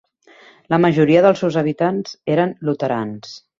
La majoria dels seus habitants eren luterans.